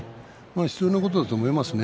必要なことだと思いますけどね。